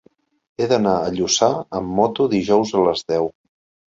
He d'anar a Lluçà amb moto dijous a les deu.